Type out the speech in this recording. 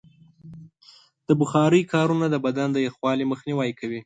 د بخارۍ کارونه د بدن د یخوالي مخنیوی کوي.